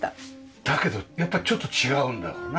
だけどやっぱちょっと違うんだろうな。